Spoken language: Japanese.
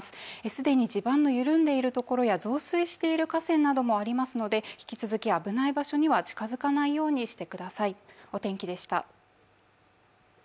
既に地盤の緩んでいる所や増水している河川がありますので引き続き危ない場所には近づかないようにしてください。